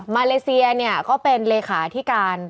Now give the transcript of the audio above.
มาเลเซียเนี่ยก็เป็นเลขาที่การ